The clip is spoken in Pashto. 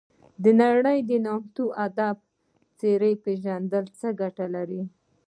د نړۍ د نامتو ادبي څیرو پېژندل څه ګټه لري.